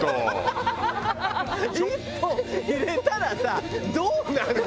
一本入れたらさどうなるの？